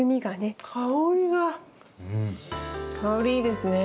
香りいいですね。